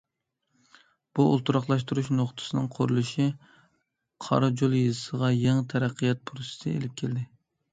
بۇ ئولتۇراقلاشتۇرۇش نۇقتىسىنىڭ قۇرۇلۇشى قاراجول يېزىسىغا يېڭى تەرەققىيات پۇرسىتى ئېلىپ كەلدى.